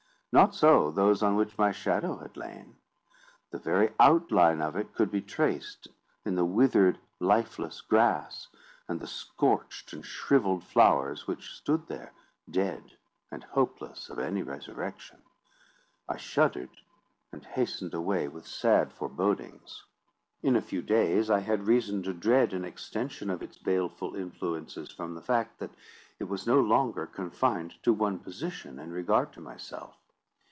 Not so those on which my shadow had lain. The very outline of it could be traced in the withered lifeless grass, and the scorched and shrivelled flowers which stood there, dead, and hopeless of any resurrection. I shuddered, and hastened away with sad forebodings. In a few days, I had reason to dread an extension of its baleful influences from the fact, that it was no longer confined to one position in regard to myself.